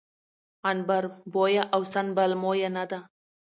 عنبربويه او سنبل مويه نه ده